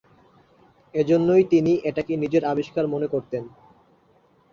এজন্যই তিনি এটাকে নিজের আবিষ্কার মনে করতেন।